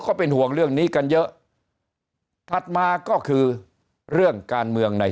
ก็เป็นห่วงเรื่องนี้กันเยอะถัดมาก็คือเรื่องการเมืองใน